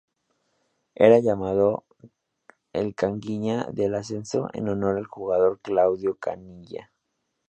Era llamado "El Caniggia del ascenso", en honor al jugador Claudio Caniggia.